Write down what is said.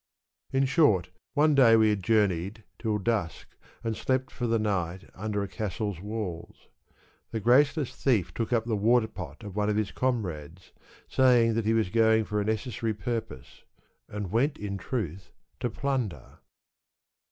In short, one day, we had journeyed till dusk, and slept for the night under a castle's walls. The grace less thief took up the water pot of one of his com rades, saying that he was going for a necessary purpose, and went, in truth, to plunder.